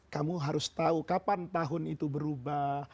kamu harus tahu kapan tahun itu berubah